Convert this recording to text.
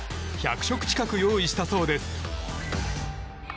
１００食近く用意したそうです。